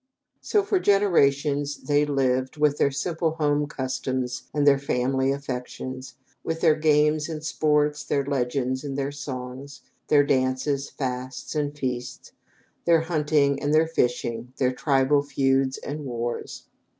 So, for generations, they lived, with their simple home customs and their family affections, with their games and sports, their legends and their songs, their dances, fasts, and feasts, their hunting and their fishing, their tribal feuds and wars.